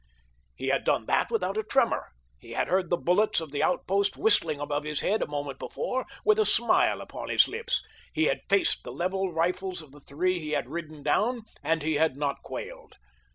He had done that without a tremor—he had heard the bullets of the outpost whistling about his head a moment before, with a smile upon his lips—he had faced the leveled rifles of the three he had ridden down and he had not quailed.